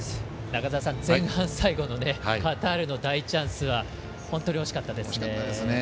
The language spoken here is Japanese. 中澤さん、前半最後のカタールの大チャンスは本当に惜しかったですね。